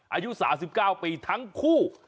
อายุ๓๙ปีทั้งคู่